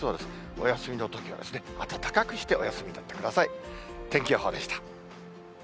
お休みのときは暖かくしてお休みになってください。